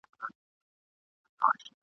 هندو زوړ سو مسلمان نه سو !.